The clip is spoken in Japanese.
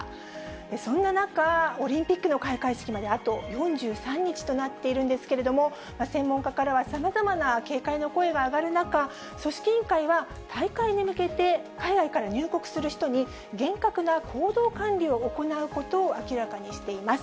そんな中、オリンピックの開会式まであと４３日となっているんですけれども、専門家からは、さまざまな警戒の声が上がる中、組織委員会は大会に向けて、海外から入国する人に厳格な行動管理を行うことを明らかにしています。